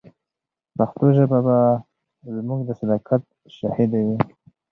پښتو ژبه به زموږ د صداقت شاهده وي.